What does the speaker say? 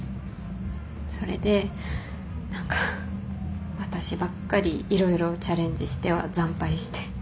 それで何か私ばっかり色々チャレンジしては惨敗して。